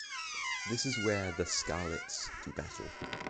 This is where "The Scarlets" do battle.